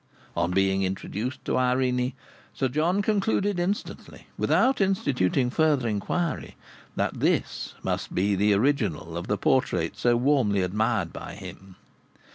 On being introduced to Irene, Sir John concluded instantly, without instituting further inquiry, that this must be the original of the portrait so warmly admired by him.